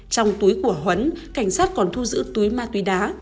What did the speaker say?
trong túi của huấn cảnh sát còn thu giữ túi ma túy đá